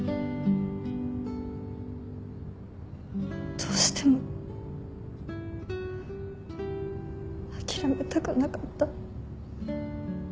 どうしても諦めたくなかった。